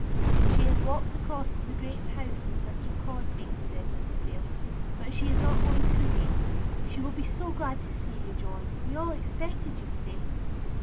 "She has walked across to the Great House with Mr. Crosbie," said Mrs. Dale; "but she is not going to remain. She will be so glad to see you, John! We all expected you to day."